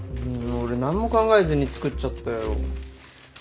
俺何も考えずに作っちゃったよ。